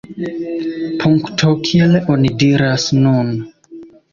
Punkto, kiel oni diras nun!